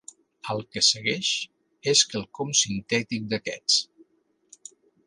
El que segueix és quelcom sintètic d'aquests.